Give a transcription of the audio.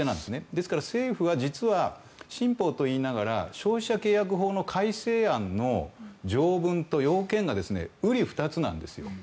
ですから政府は実は新法と言いながら消費者契約法の改正案の条文と要件が瓜二つなんですよ。